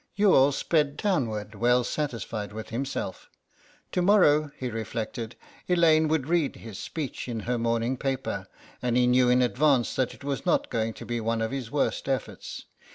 Youghal sped townward well satisfied with himself. To morrow, he reflected, Elaine would read his speech in her morning paper, and he knew in advance that it was not going to be one of his worst efforts.